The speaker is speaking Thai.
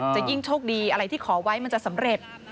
จะยิ่งโชคดีอะไรที่ขอไว้มันจะสำเร็จ